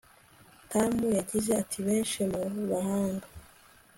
Tamm yagize ati Benshi mu bahanga